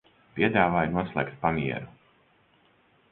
Piedāvāju noslēgt pamieru.